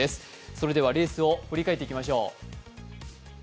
それではレースを振り返っていきましょう。